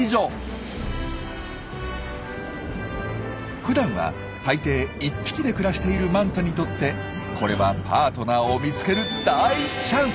ふだんは大抵１匹で暮らしているマンタにとってこれはパートナーを見つける大チャンス。